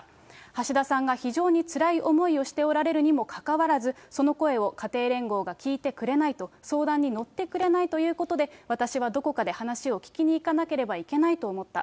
橋田さんが非常につらい思いをしておられるにもかかわらず、その声を家庭連合が聞いてくれないと、相談に乗ってくれないということで、私はどこかで話を聞きに行かなければいけないと思った。